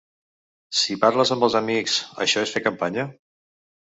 Si parles amb els amics, això és fer campanya?